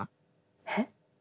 えっ？